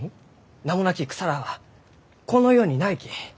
名もなき草らあはこの世にないき。